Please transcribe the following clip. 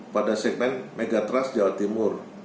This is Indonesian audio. pada segmen megatrust jawa timur